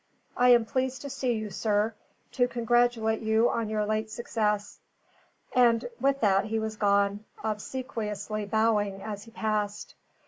I am pleased to see you, sir to congratulate you on your late success." And with that he was gone, obsequiously bowing as he passed.